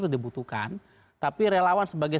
di butuhkan tapi relawan sebagai